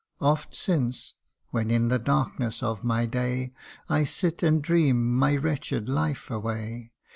Oft since, when in the darkness of my day I sit, and dream my wretched life away; CANTO I.